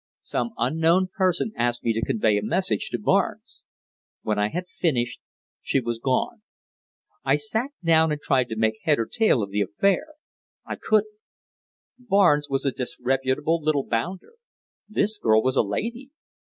Some unknown person asked me to convey a message to Barnes. When I had finished she was gone. I sat down and tried to make head or tail of the affair. I couldn't. Barnes was a disreputable little bounder! This girl was a lady.